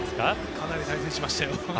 かなり対戦しましたよ。